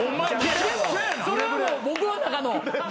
でもそれは僕の中の。